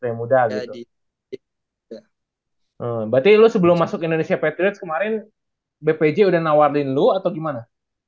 berarti lu sebelum masuk indonesia patriots kemarin bpj udah nawarin lu atau gimana